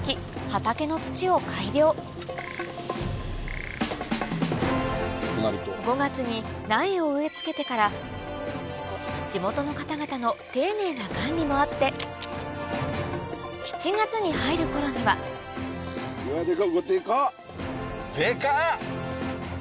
畑の土を改良５月に苗を植え付けてから地元の方々の丁寧な管理もあって７月に入る頃にはうわ。